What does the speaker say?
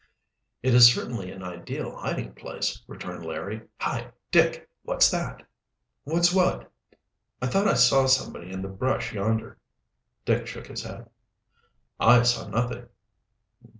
"It is certainly an ideal hiding place," returned Larry. "Hi, Dick! what's that?" "What's what?" "I thought I saw somebody in the brush yonder." Dick shook his head. "I saw nothing."